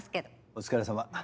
お疲れさま。